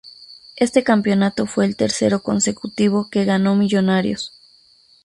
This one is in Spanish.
Este campeonato fue el tercero consecutivo que ganó Millonarios.